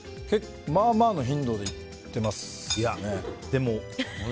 まあまあの頻度で行ってますね。